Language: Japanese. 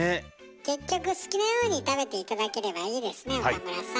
結局好きなように食べて頂ければいいですね岡村さん。